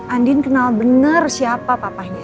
andin kenal benar siapa papanya